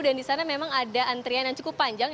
dan di sana memang ada antrian yang cukup panjang